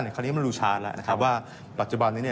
คราวนี้มันดูชาร์จแล้วนะครับว่าปัจจุบันนี้